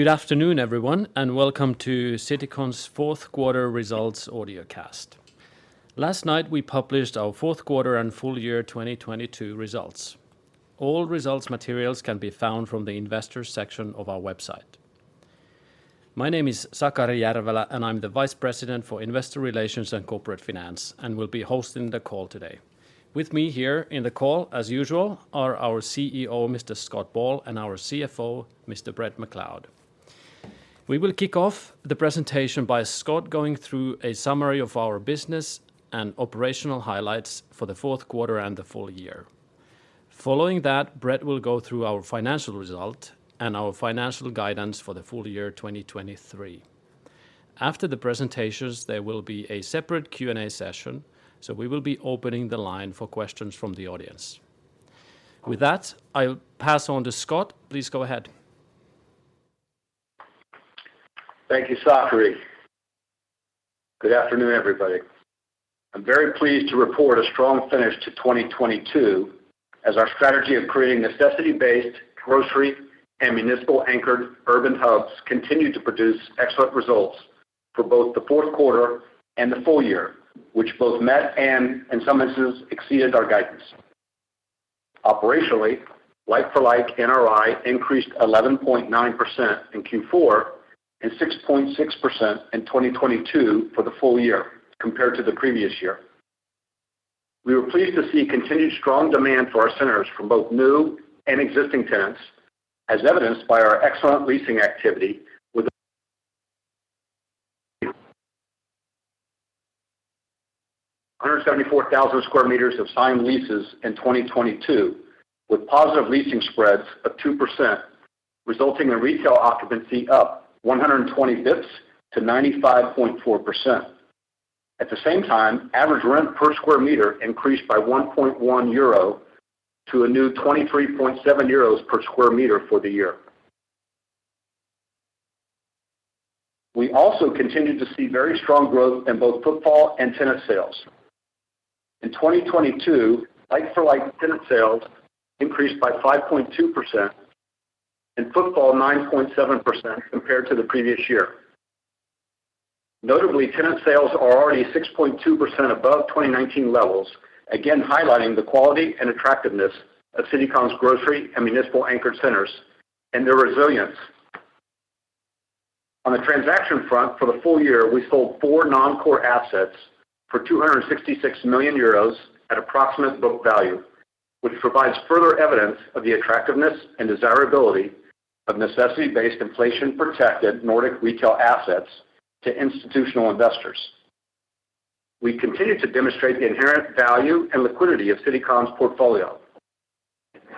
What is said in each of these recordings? Good afternoon, everyone, welcome to Citycon's fourth quarter results audiocast. Last night, we published our fourth quarter and full year 2022 results. All results materials can be found from the investor section of our website. My name is Sakari Järvelä, and I'm the Vice President for Investor Relations and Corporate Finance, and will be hosting the call today. With me here in the call, as usual, are our CEO, Mr. F. Scott Ball, and our CFO, Mr. Bret D. McLeod. We will kick off the presentation by Scott going through a summary of our business and operational highlights for the fourth quarter and the full year. Following that, Bret will go through our financial results and our financial guidance for the full year 2023. After the presentations, there will be a separate Q&A session. We will be opening the line for questions from the audience. With that, I'll pass on to Scott. Please go ahead. Thank you, Sakari. Good afternoon, everybody. I'm very pleased to report a strong finish to 2022 as our strategy of creating necessity-based grocery and municipal-anchored urban hubs continued to produce excellent results for both the fourth quarter and the full year, which both met and in some instances, exceeded our guidance. Operationally, like-for-like NRI increased 11.9% in Q4 and 6.6% in 2022 for the full year compared to the previous year. We were pleased to see continued strong demand for our centers from both new and existing tenants, as evidenced by our excellent leasing activity with 174,000 square meters of signed leases in 2022, with positive leasing spreads of 2%, resulting in retail occupancy up 120 basis points to 95.4%. At the same time, average rent per square meter increased by 1.1 euro to a new 23.7 euros per square meter for the year. We also continued to see very strong growth in both footfall and tenant sales. In 2022, like-for-like tenant sales increased by 5.2%, in footfall, 9.7% compared to the previous year. Notably, tenant sales are already 6.2% above 2019 levels, again highlighting the quality and attractiveness of Citycon's grocery and municipal-anchored centers and their resilience. On the transaction front, for the full year, we sold four non-core assets for 266 million euros at approximate book value, which provides further evidence of the attractiveness and desirability of necessity-based inflation-protected Nordic retail assets to institutional investors. We continued to demonstrate the inherent value and liquidity of Citycon's portfolio.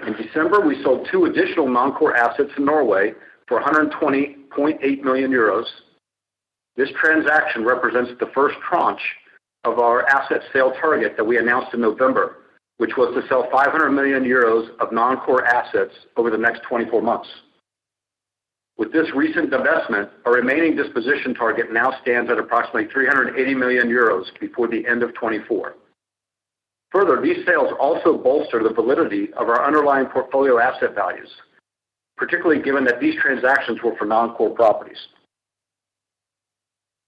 In December, we sold two additional non-core assets in Norway for 120.8 million euros. This transaction represents the first tranche of our asset sale target that we announced in November, which was to sell 500 million euros of non-core assets over the next 24 months. With this recent divestment, our remaining disposition target now stands at approximately 380 million euros before the end of 2024. Further, these sales also bolster the validity of our underlying portfolio asset values, particularly given that these transactions were for non-core properties.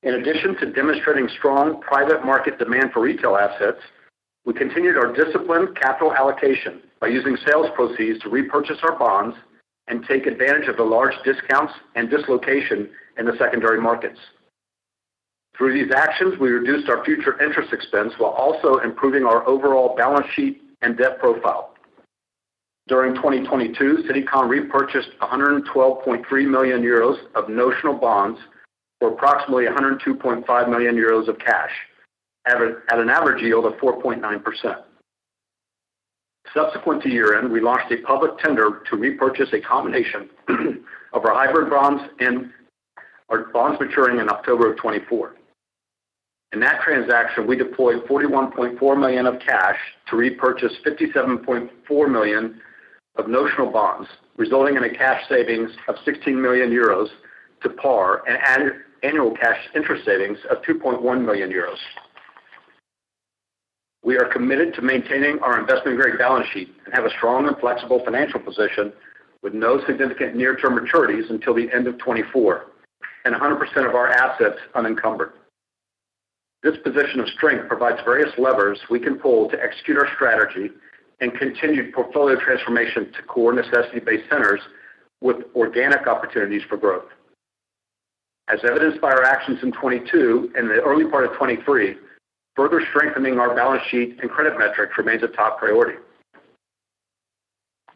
In addition to demonstrating strong private market demand for retail assets, we continued our disciplined capital allocation by using sales proceeds to repurchase our bonds and take advantage of the large discounts and dislocation in the secondary markets. Through these actions, we reduced our future interest expense while also improving our overall balance sheet and debt profile. During 2022, Citycon repurchased 112.3 million euros of notional bonds for approximately 102.5 million euros of cash, at an average yield of 4.9%. Subsequent to year-end, we launched a public tender to repurchase a combination of our hybrid bonds and our bonds maturing in October of 2024. In that transaction, we deployed 41.4 million of cash to repurchase 57.4 million of notional bonds, resulting in a cash savings of 16 million euros to par and annual cash interest savings of 2.1 million euros. We are committed to maintaining our investment-grade balance sheet and have a strong and flexible financial position with no significant near-term maturities until the end of 2024, and 100% of our assets unencumbered. This position of strength provides various levers we can pull to execute our strategy and continued portfolio transformation to core necessity-based centers with organic opportunities for growth. As evidenced by our actions in 2022 and the early part of 2023, further strengthening our balance sheet and credit metrics remains a top priority.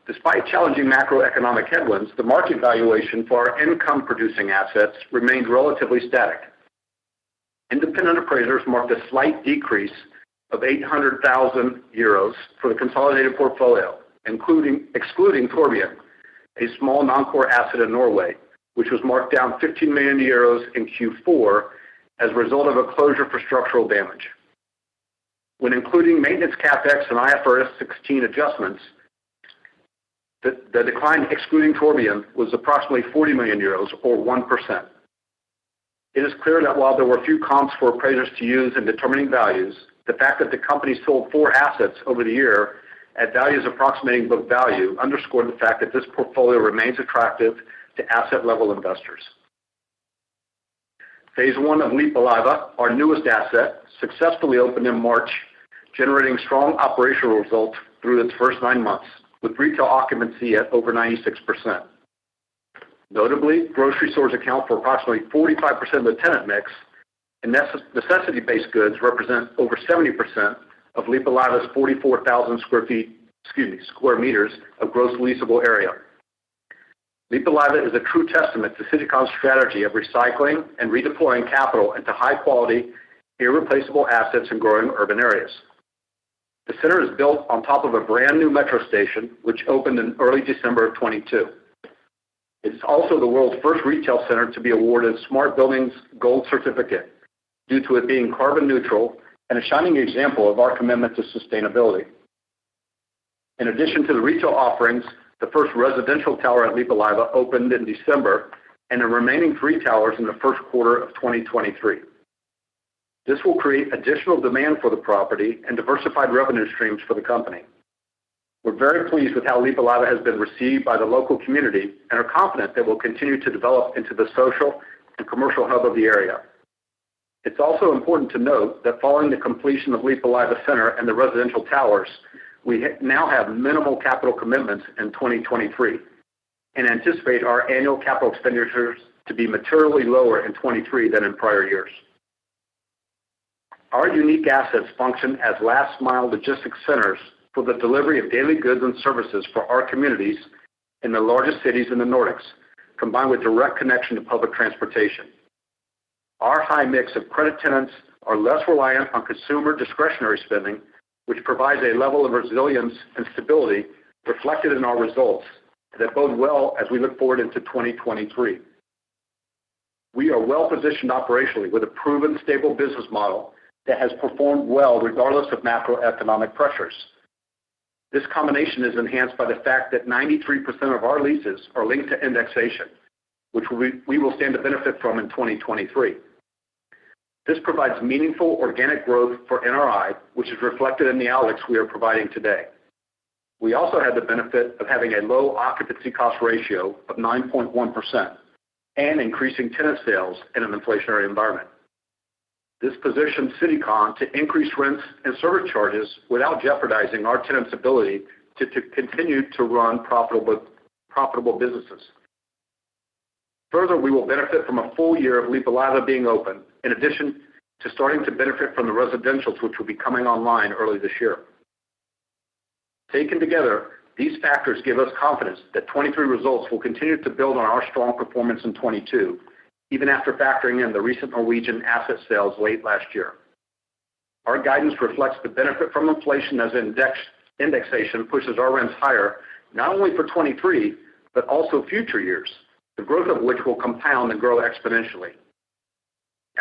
Despite challenging macroeconomic headwinds, the market valuation for our income producing assets remained relatively static. Independent appraisers marked a slight decrease of 800,000 euros for the consolidated portfolio, excluding Torvbyen, a small non-core asset in Norway, which was marked down 50 million euros in Q4 as a result of a closure for structural damage. When including maintenance CapEx, and IFRS 16 adjustments, the decline excluding Torvbyen was approximately 40 million euros or 1%. It is clear that while there were few comps for appraisers to use in determining values, the fact that the company sold four assets over the year at values approximating book value underscored the fact that this portfolio remains attractive to asset-level investors. Phase one of Lippulaiva, our newest asset, successfully opened in March, generating strong operational results through its first nine months, with retail occupancy at over 96%. Notably, grocery stores account for approximately 45% of the tenant mix, necessity-based goods represent over 70% of Lippulaiva's 44,000 square meters of gross leasable area. Lippulaiva is a true testament to Citycon's strategy of recycling and redeploying capital into high-quality, irreplaceable assets in growing urban areas. The center is built on top of a brand-new metro station, which opened in early December of 2022. It's also the world's first retail center to be awarded SmartScore Gold due to it being carbon neutral and a shining example of our commitment to sustainability. In addition to the retail offerings, the first residential tower at Lippulaiva opened in December and the remaining three towers in the first quarter of 2023. This will create additional demand for the property and diversified revenue streams for the company. We're very pleased with how Lippulaiva has been received by the local community and are confident that we'll continue to develop into the social and commercial hub of the area. It's also important to note that following the completion of Lippulaiva and the residential towers, we now have minimal capital commitments in 2023 and anticipate our annual capital expenditures to be materially lower in 2023 than in prior years. Our unique assets function as last-mile logistics centers for the delivery of daily goods and services for our communities in the largest cities in the Nordics, combined with direct connection to public transportation. Our high mix of credit tenants are less reliant on consumer discretionary spending, which provides a level of resilience and stability reflected in our results that bode well as we look forward into 2023. We are well-positioned operationally with a proven stable business model that has performed well regardless of macroeconomic pressures. This combination is enhanced by the fact that 93% of our leases are linked to indexation, which we will stand to benefit from in 2023. This provides meaningful organic growth for NRI, which is reflected in the outlooks we are providing today. We also have the benefit of having a low occupancy cost ratio of 9.1% and increasing tenant sales in an inflationary environment. This positions Citycon to increase rents and service charges without jeopardizing our tenants' ability to continue to run profitable businesses. Further, we will benefit from a full year of Lippulaiva being open, in addition to starting to benefit from the residentials which will be coming online early this year. Taken together, these factors give us confidence that 2023 results will continue to build on our strong performance in 2022, even after factoring in the recent Norwegian asset sales late last year. Our guidance reflects the benefit from inflation as indexation pushes our rents higher not only for 2023, but also future years. The growth of which will compound and grow exponentially.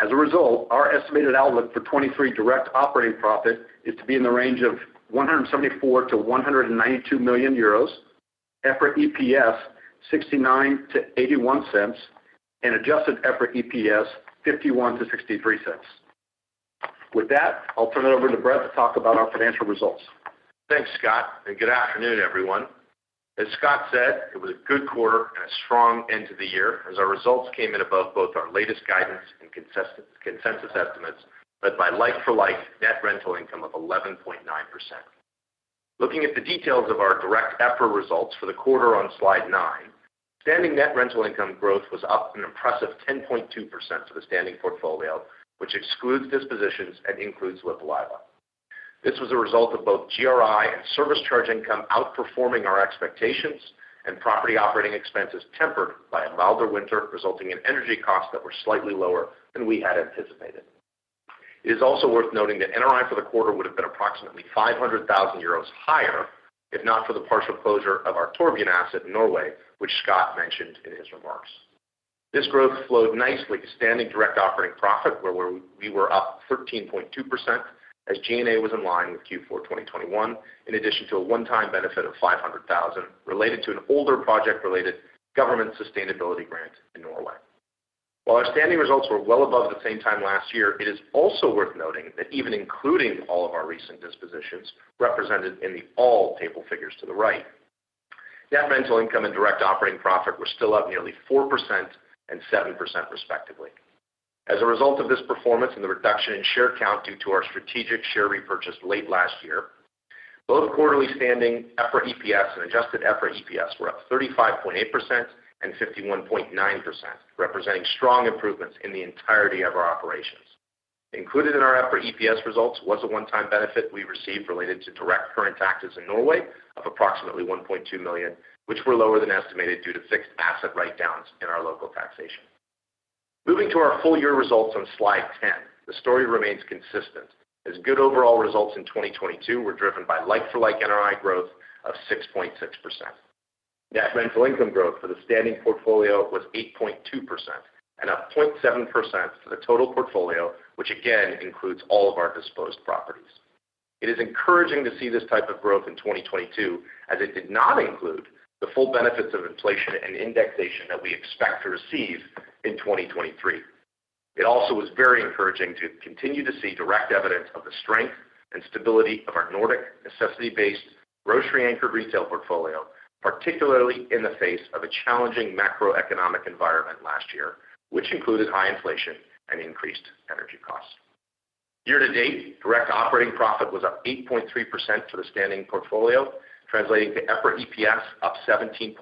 Our estimated outlook for 2023 direct operating profit is to be in the range of 174 million–192 million euros, EPRA EPS 0.69–0.81, and Adjusted EPRA EPS 0.51–0.63. With that, I'll turn it over to Bret to talk about our financial results. Thanks, Scott. Good afternoon, everyone. As Scott said, it was a good quarter and a strong end to the year as our results came in above both our latest guidance and consensus estimates, led by like-for-like net rental income of 11.9%. Looking at the details of our direct EPRA results for the quarter on slide 9, standing net rental income growth was up an impressive 10.2% for the standing portfolio, which excludes dispositions and includes Lippulaiva. This was a result of both GRI and service charge income outperforming our expectations and property operating expenses tempered by a milder winter, resulting in energy costs that were slightly lower than we had anticipated. It is also worth noting that NRI for the quarter would have been approximately 500,000 euros higher, if not for the partial closure of our Torvbyen asset in Norway, which Scott mentioned in his remarks. This growth flowed nicely to standing net operating income, where we were up 13.2% as G&A was in line with Q4 2021, in addition to a one-time benefit of 500,000 related to an older project-related government sustainability grant in Norway. Our standing results were well above the same time last year, it is also worth noting that even including all of our recent dispositions represented in the all table figures to the right, net rental income and net operating income were still up nearly 4% and 7% respectively. As a result of this performance and the reduction in share count due to our strategic share repurchase late last year, both quarterly standing EPRA EPS and Adjusted EPRA EPS were up 35.8% and 51.9%, representing strong improvements in the entirety of our operations. Included in our EPRA EPS results was a one-time benefit we received related to direct current taxes in Norway of approximately 1.2 million, which were lower than estimated due to fixed asset write-downs in our local taxation. Moving to our full year results on slide 10, the story remains consistent as good overall results in 2022 were driven by like-for-like NRI growth of 6.6%. Net rental income growth for the standing portfolio was 8.2% and up 0.7% for the total portfolio, which again includes all of our disposed properties. It is encouraging to see this type of growth in 2022 as it did not include the full benefits of inflation and indexation that we expect to receive in 2023. It also was very encouraging to continue to see direct evidence of the strength and stability of our Nordic necessity-based grocery-anchored retail portfolio, particularly in the face of a challenging macroeconomic environment last year, which included high inflation and increased energy costs. Year to date, net operating income was up 8.3% for the standing portfolio, translating to EPRA EPS up 17.8%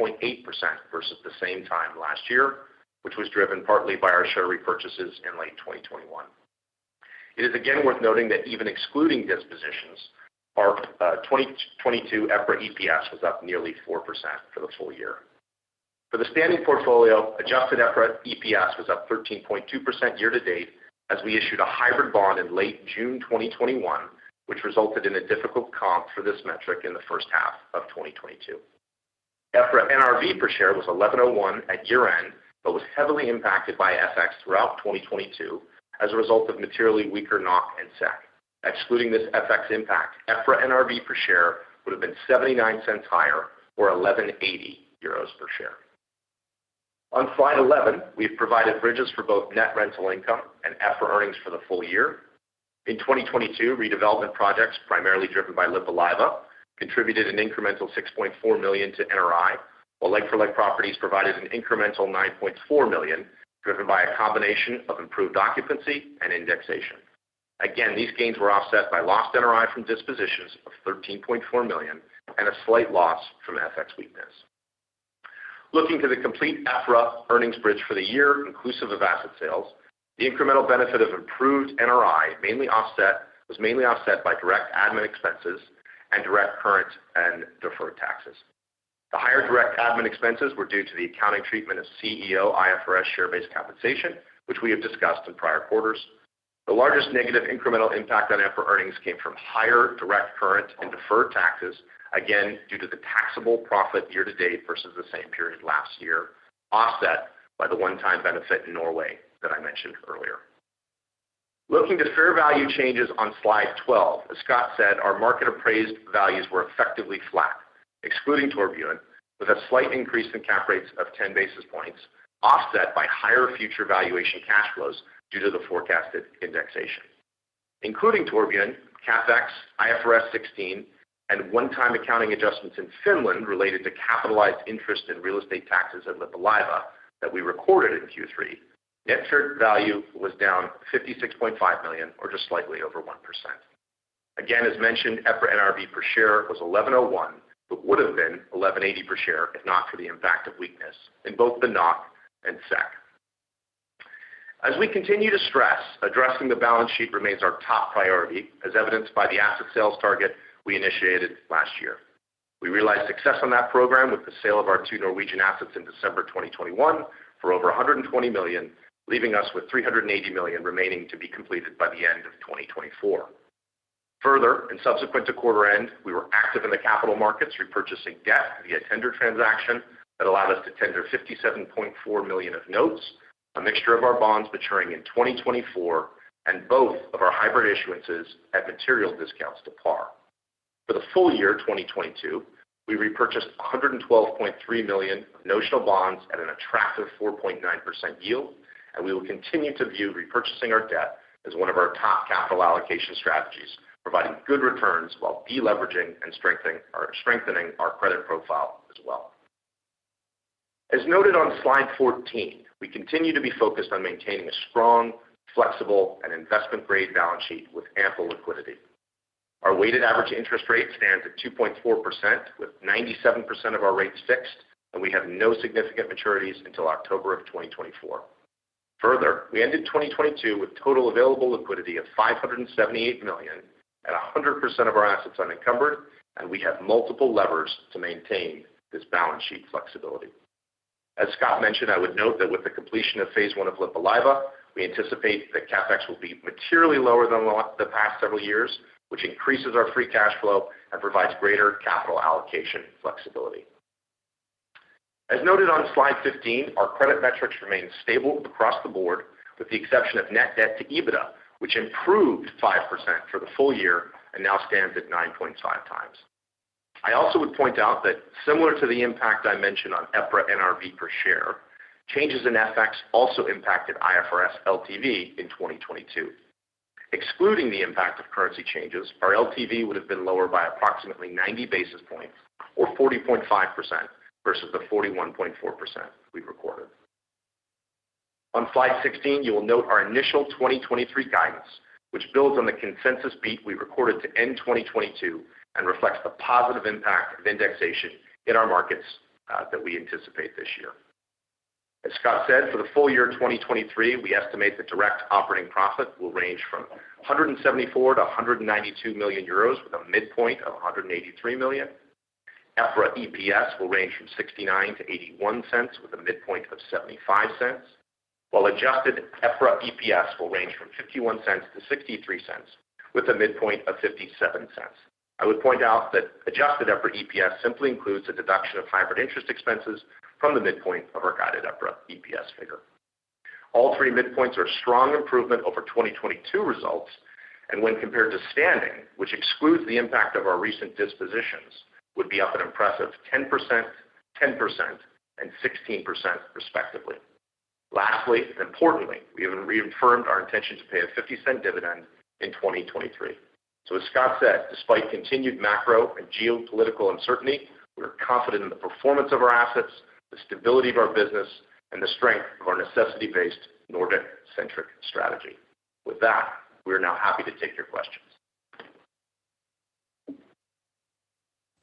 versus the same time last year, which was driven partly by our share repurchases in late 2021. It is again worth noting that even excluding dispositions, our 2022 EPRA EPS was up nearly 4% for the full year. For the standing portfolio, Adjusted EPRA EPS was up 13.2% year to date as we issued a hybrid bond in late June 2021, which resulted in a difficult comp for this metric in the first half of 2022. EPRA NRV per share was 11.01 at year-end, but was heavily impacted by FX throughout 2022 as a result of materially weaker NOK and SEK. Excluding this FX impact, EPRA NRV per share would have been 0.79 higher, or 11.80 euros per share. On slide 11, we've provided bridges for both net rental income and EPRA earnings for the full year. In 2022, redevelopment projects, primarily driven by Lippulaiva, contributed an incremental 6.4 million to NRI, while like-for-like properties provided an incremental 9.4 million, driven by a combination of improved occupancy and indexation. These gains were offset by lost NRI from dispositions of 13.4 million and a slight loss from FX weakness. Looking to the complete EPRA earnings bridge for the year inclusive of asset sales, the incremental benefit of improved NRI was mainly offset by direct admin expenses and direct current and deferred taxes. The higher direct admin expenses were due to the accounting treatment of CEO IFRS share-based compensation, which we have discussed in prior quarters. The largest negative incremental impact on EPRA earnings came from higher direct current and deferred taxes, again, due to the taxable profit year to date versus the same period last year, offset by the one-time benefit in Norway that I mentioned earlier. Looking to fair value changes on slide 12, as Scott said, our market-appraised values were effectively flat, excluding Torvbyen, with a slight increase in cap rates of 10 basis points, offset by higher future valuation cash flows due to the forecasted indexation. Including Torvbyen, CapEx, IFRS 16, and one-time accounting adjustments in Finland related to capitalized interest in real estate taxes at Lippulaiva that we recorded in Q3, net current value was down 56.5 million, or just slightly over 1%. Again, as mentioned, EPRA NRV per share was 11.01, but would have been 11.80 per share if not for the impact of weakness in both the NOK and SEK. As we continue to stress, addressing the balance sheet remains our top priority, as evidenced by the asset sales target we initiated last year. We realized success on that program with the sale of our two Norwegian assets in December 2021 for over 120 million, leaving us with 380 million remaining to be completed by the end of 2024. Further, and subsequent to quarter-end, we were active in the capital markets, repurchasing debt via tender transaction that allowed us to tender 57.4 million of notes, a mixture of our bonds maturing in 2024, and both of our hybrid issuances at material discounts to par. For the full year 2022, we repurchased 112.3 million notional bonds at an attractive 4.9% yield. We will continue to view repurchasing our debt as one of our top capital allocation strategies, providing good returns while de-leveraging and strengthening our credit profile as well. As noted on slide 14, we continue to be focused on maintaining a strong, flexible, and investment-grade balance sheet with ample liquidity. Our weighted average interest rate stands at 2.4%, with 97% of our rates fixed. We have no significant maturities until October of 2024. We ended 2022 with total available liquidity of 578 million at 100% of our assets unencumbered. We have multiple levers to maintain this balance sheet flexibility. As Scott mentioned, I would note that with the completion of phase one of Lippulaiva, we anticipate that CapEx will be materially lower than the past several years, which increases our free cash flow and provides greater capital allocation flexibility. As noted on slide 15, our credit metrics remain stable across the board, with the exception of Net Debt to EBITDA, which improved 5% for the full year and now stands at 9.5 times. I also would point out that similar to the impact I mentioned on EPRA NRV per share, changes in FX also impacted IFRS LTV in 2022. Excluding the impact of currency changes, our LTV would have been lower by approximately 90 basis points or 40.5% versus the 41.4% we recorded. On slide 16, you will note our initial 2023 guidance, which builds on the consensus beat we recorded to end 2022 and reflects the positive impact of indexation in our markets that we anticipate this year. As Scott said, for the full year 2023, we estimate that net operating income will range from 174 million-192 million euros, with a midpoint of 183 million. EPRA EPS will range from 0.69-0.81, with a midpoint of 0.75, while Adjusted EPRA EPS will range from 0.51–0.63, with a midpoint of 0.57. I would point out that Adjusted EPRA EPS simply includes the deduction of hybrid interest expenses from the midpoint of our guided EPRA EPS figure. All three midpoints are strong improvement over 2022 results. When compared to standing, which excludes the impact of our recent dispositions, would be up an impressive 10%, 10%, and 16% respectively. Lastly, and importantly, we have reaffirmed our intention to pay a 0.50 dividend in 2023. As Scott said, despite continued macro and geopolitical uncertainty, we're confident in the performance of our assets, the stability of our business, and the strength of our necessity-based Nordic-centric strategy. With that, we are now happy to take your questions.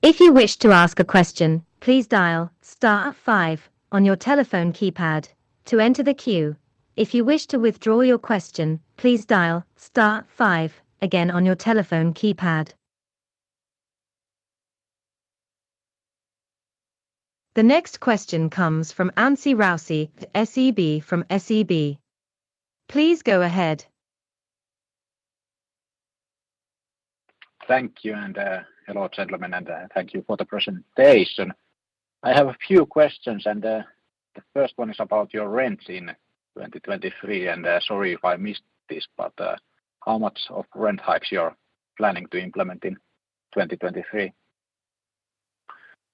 If you wish to ask a question, please dial star five on your telephone keypad to enter the queue. If you wish to withdraw your question, please dial star five again on your telephone keypad. The next question comes from Anssi Ståhlberg with SEB. Please go ahead. Thank you. Hello, gentlemen, and, thank you for the presentation. I have a few questions and, the first one is about your rent in 2023. Sorry if I missed this, but, how much of rent hikes you're planning to implement in 2023?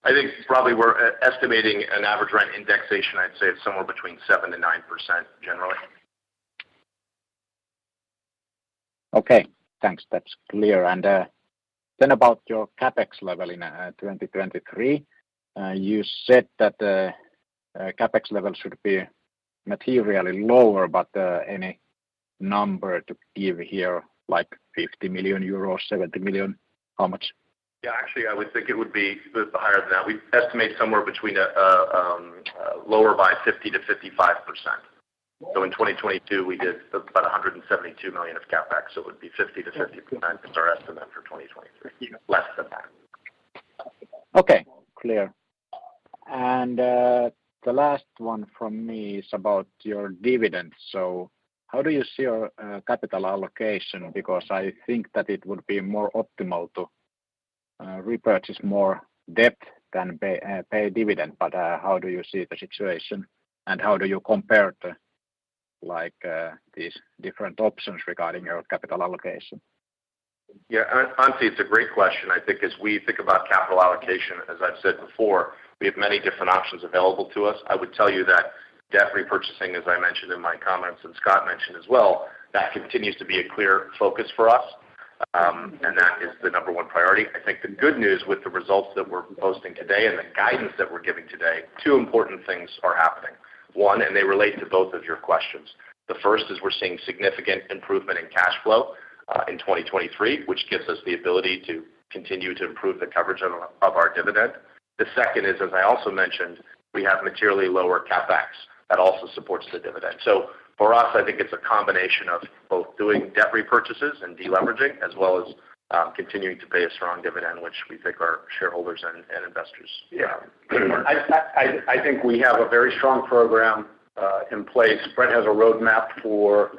I think probably we're estimating an average rent indexation, I'd say it's somewhere between 7% and 9% generally. Okay, thanks. That's clear. Then about your CapEx level in 2023. You said that the CapEx level should be materially lower, any number to give here, like 50 million euros, 70 million? How much? Actually, I would think it would be a bit higher than that. We estimate somewhere between lower by 50%–55%. In 2022, we did about 172 million of CapEx. It would be 50%–55% is our estimate for 2023. Less than that. Okay, clear. The last one from me is about your dividends. How do you see your capital allocation? Because I think that it would be more optimal to repurchase more debt than pay dividend. How do you see the situation? How do you compare the, like, these different options regarding your capital allocation? Anssi, it's a great question. I think as we think about capital allocation, as I've said before, we have many different options available to us. I would tell you that debt repurchasing, as I mentioned in my comments and Scott mentioned as well, that continues to be a clear focus for us. That is the number one priority. I think the good news with the results that we're posting today and the guidance that we're giving today, two important things are happening. One, they relate to both of your questions. The first is we're seeing significant improvement in cash flow in 2023, which gives us the ability to continue to improve the coverage of our dividend. The second is, as I also mentioned, we have materially lower CapEx that also supports the dividend. For us, I think it's a combination of both doing debt repurchases and deleveraging, as well as, continuing to pay a strong dividend, which we think our shareholders and investors require. I think we have a very strong program in place. Bret has a roadmap for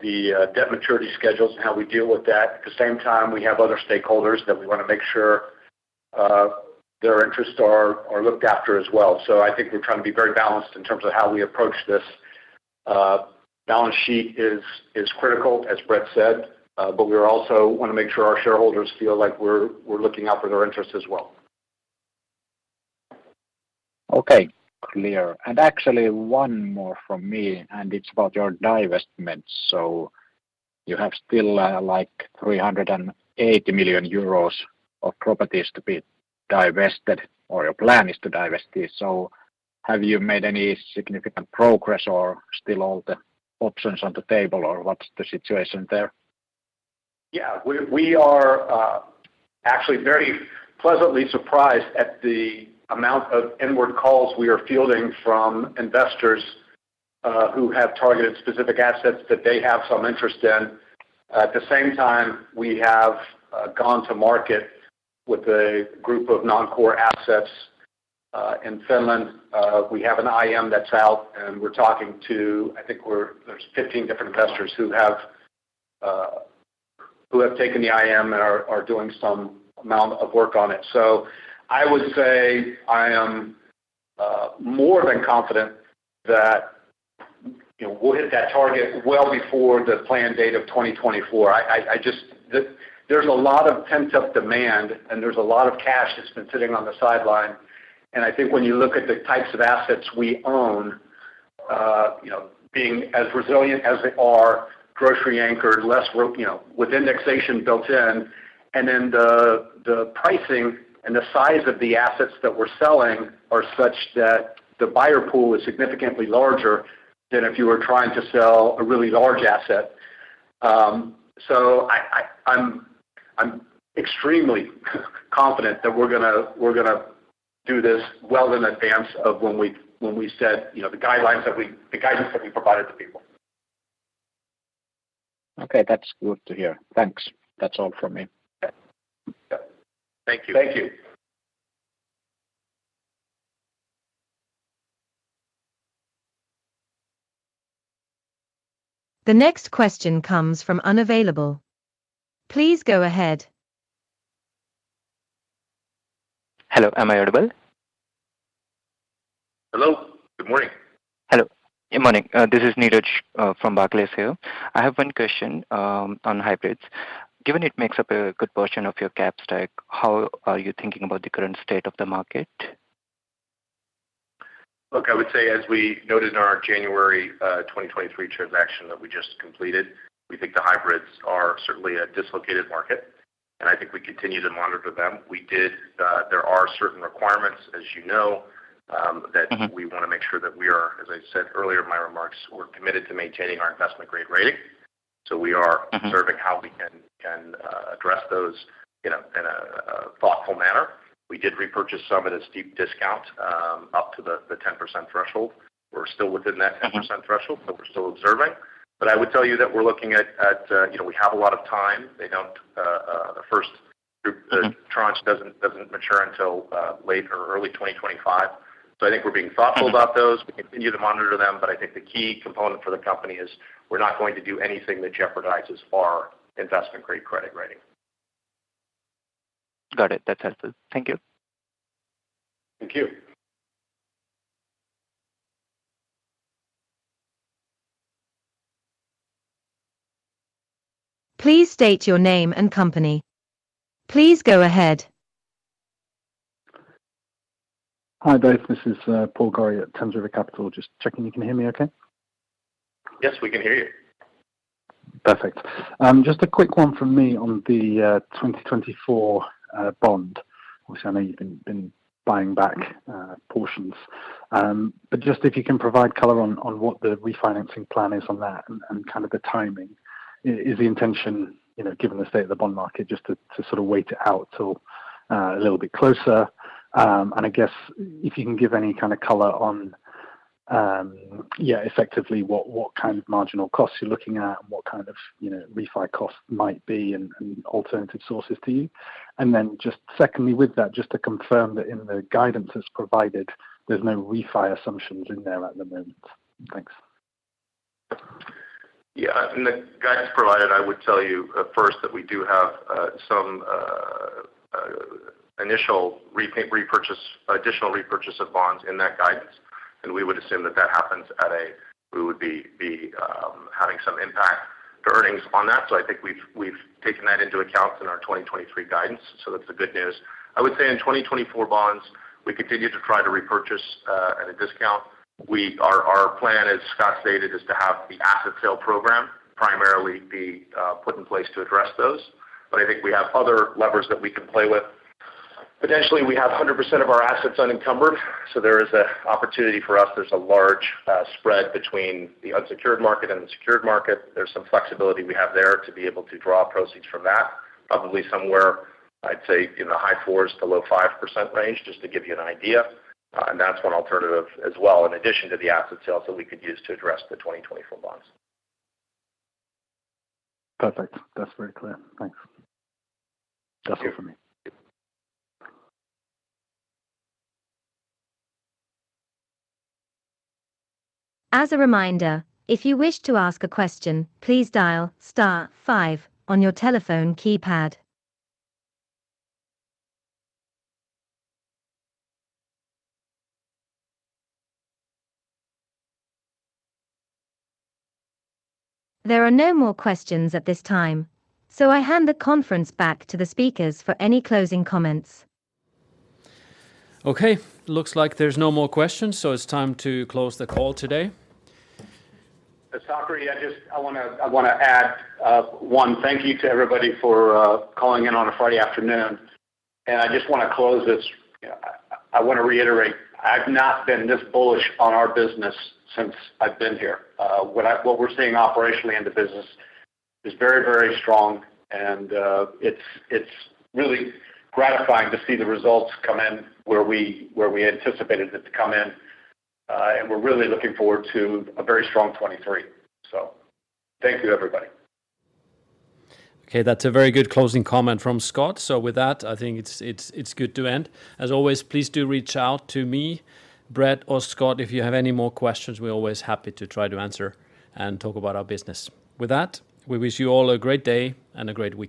the debt maturity schedules and how we deal with that. At the same time, we have other stakeholders that we want to make sure their interests are looked after as well. I think we're trying to be very balanced in terms of how we approach this. Balance sheet is critical, as Bret said, but we're also want to make sure our shareholders feel like we're looking out for their interests as well. Okay, clear. Actually one more from me, and it's about your divestment. You have still, like 380 million euros of properties to be divested, or your plan is to divest it. Have you made any significant progress or still all the options on the table or what's the situation there? Yeah. We are actually very pleasantly surprised at the amount of inbound calls we are fielding from investors who have targeted specific assets that they have some interest in. At the same time, we have gone to market with a group of non-core assets in Finland. We have an IM that's out, and we're talking to... I think there's 15 different investors who have taken the IM and are doing some amount of work on it. I would say I am more than confident that, you know, we'll hit that target well before the planned date of 2024. There's a lot of pent-up demand, and there's a lot of cash that's been sitting on the sideline. I think when you look at the types of assets we own, you know, being as resilient as they are, grocery-anchored, less, you know, with indexation built in. The pricing and the size of the assets that we're selling are such that the buyer pool is significantly larger than if you were trying to sell a really large asset. So I'm extremely confident that we're going to do this well in advance of when we, when we said, you know, the guidance that we provided to people. Okay, that's good to hear. Thanks. That's all from me. Okay. Yeah. Thank you. Thank you. The next question comes from unavailable. Please go ahead. Hello, am I audible? Hello. Good morning. Hello. Good morning. This is Neeraj from Barclays here. I have one question on hybrids. Given it makes up a good portion of your cap stack, how are you thinking about the current state of the market? Look, I would say, as we noted in our January 2023 transaction that we just completed, we think the hybrids are certainly a dislocated market. I think we continue to monitor them. There are certain requirements, as you know. Mm-hmm... we want to make sure that we are, as I said earlier in my remarks, we're committed to maintaining our investment-grade rating. Mm-hmm observing how we can address those in a thoughtful manner. We did repurchase some of this deep discount up to the 10% threshold. We're still within that. Mm-hmm... 10% threshold, we're still observing. I would tell you that we're looking at, you know, we have a lot of time. They don't. Mm-hmm... the tranche doesn't mature until late or early 2025. I think we're being thoughtful about those. We continue to monitor them. I think the key component for the company is we're not going to do anything that jeopardizes our investment-grade credit rating. Got it. That's helpful. Thank you. Thank you. Please state your name and company. Please go ahead. Hi, both. This is Paul Gorrie at Thames River Capital. Just checking you can hear me okay? Yes, we can hear you. Perfect. Just a quick one from me on the 2024 bond, which I know you've been buying back portions. Just if you can provide color on what the refinancing plan is on that and kind of the timing. Is the intention, you know, given the state of the bond market, just to sort of wait it out till a little bit closer? I guess if you can give any kind of color on, yeah, effectively, what kind of marginal costs you're looking at and what kind of, you know, refi costs might be and alternative sources to you. Just secondly with that, just to confirm that in the guidance that's provided, there's no refi assumptions in there at the moment. Thanks. Yeah. In the guidance provided, I would tell you, first that we do have some initial repurchase, additional repurchase of bonds in that guidance, and we would assume that that happens at a... we would be having some impact to earnings on that. So I think we've taken that into account in our 2023 guidance, so that's the good news. I would say in 2024 bonds, we continue to try to repurchase at a discount. Our plan, as Scott stated, is to have the asset sale program primarily be put in place to address those. But I think we have other levers that we can play with. Potentially, we have 100% of our assets unencumbered, so there is a opportunity for us. There's a large spread between the unsecured market and the secured market. There's some flexibility we have there to be able to draw proceeds from that. Probably somewhere, I'd say in the high 4%–low 5% range, just to give you an idea. That's one alternative as well, in addition to the asset sale, so we could use to address the 2024 bonds. Perfect. That's very clear. Thanks. Okay. That's it for me. As a reminder, if you wish to ask a question, please dial star 5 on your telephone keypad. There are no more questions at this time. I hand the conference back to the speakers for any closing comments. Okay. Looks like there's no more questions, it's time to close the call today. Sakari, I just want to add one thank you to everybody for calling in on a Friday afternoon. I just want to close this. I want to reiterate, I've not been this bullish on our business since I've been here. What we're seeing operationally in the business is very, very strong and it's really gratifying to see the results come in where we, where we anticipated it to come in. We're really looking forward to a very strong 2023. Thank you, everybody. Okay. That's a very good closing comment from Scott. With that, I think it's good to end. As always, please do reach out to me, Bret, or Scott if you have any more questions. We're always happy to try to answer and talk about our business. With that, we wish you all a great day and a great week.